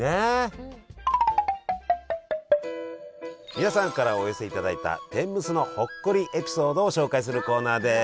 皆さんからお寄せいただいた天むすのほっこりエピソードを紹介するコーナーです。